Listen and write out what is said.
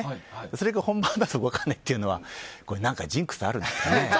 それが本番だと動かないというのはジンクスがあるんです。